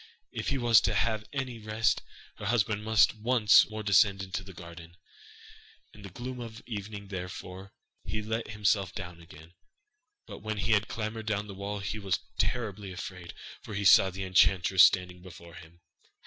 If he was to have any rest, her husband must once more descend into the garden. In the gloom of evening therefore, he let himself down again; but when he had clambered down the wall he was terribly afraid, for he saw the enchantress standing before him.